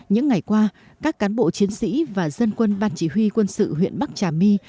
những ngày qua các cán bộ chiến sĩ và dân quân ban chỉ huy quân sự huyện bắc trà my